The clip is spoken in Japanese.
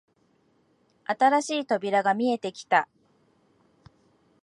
新しい扉が見えてきた